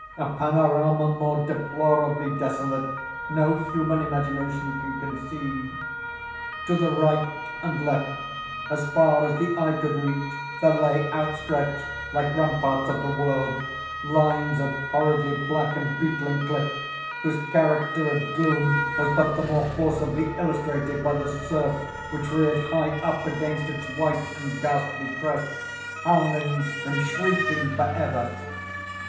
A panorama more deplorably desolate no human imagination can conceive. To the right and left, as far as the eye could reach, there lay outstretched, like ramparts of the world, lines of horridly black and beetling cliff, whose character of gloom was but the more forcibly illustrated by the surf which reared high up against its white and ghastly crest, howling and shrieking forever.